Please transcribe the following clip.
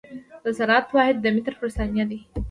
د سرعت واحد متر پر ثانيه ده.